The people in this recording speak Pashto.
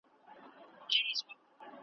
د میوند لنډۍ به وایو له تاریخ سره نڅیږو .